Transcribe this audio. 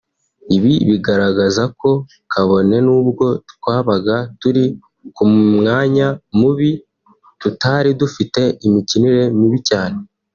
Ibi bigaragaza ko kabone nubwo twabaga turi ku mwanya mubi tutari dufite imikinire mibi cyane